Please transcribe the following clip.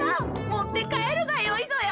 もってかえるがよいぞよ。